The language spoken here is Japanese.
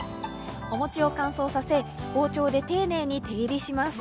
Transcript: お餅を乾燥させ、包丁で丁寧に手切りします。